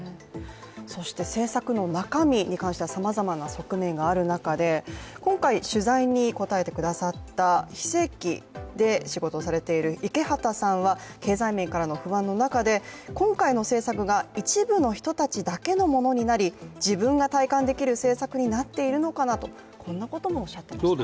そして政策の中身に関してはさまざまな側面がある中で今回取材に答えてくださった、非正規で仕事をされている池畑さんは経済面からの不安の中で、今回の政策が一部の人たちだけのものになり自分が体感できる政策になっているのかなと、こんなこともおっしゃっていましたね。